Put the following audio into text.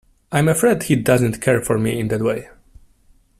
I'm afraid he doesn't care for me in that way.